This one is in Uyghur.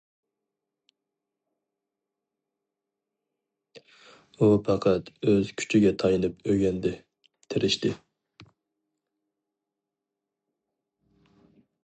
ئۇ پەقەت ئۆز كۈچىگە تايىنىپ ئۆگەندى، تىرىشتى.